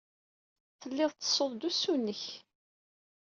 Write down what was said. Telliḍ tettessuḍ-d usu-nnek.